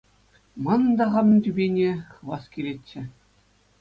Манӑн та хамӑн тӳпене хывас килетчӗ.